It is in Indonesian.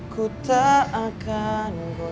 ku tak akan mundur